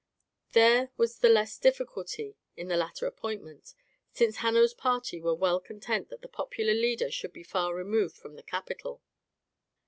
There was the less difficulty in the latter appointment, since Hanno's party were well content that the popular leader should be far removed from the capital.